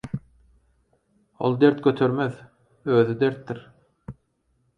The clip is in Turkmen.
Ol dert götermez, özi dertdir.